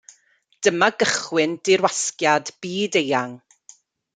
Dyma gychwyn dirwasgiad byd-eang.